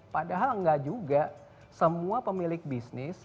padahal enggak juga semua pemilik bisnis